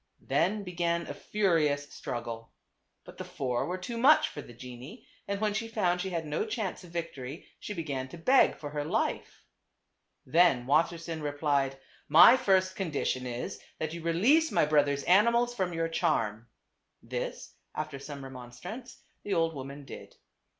Then began a furious struggle. But the four were too much for the genie, and when she found she had no chance of victory she began to beg for her life. Then Wassersein replied, " My first condition is, that you release my brother's animals from your charm." This, after some remonstrance, the old woman did.